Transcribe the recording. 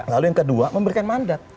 lalu yang kedua memberikan mandat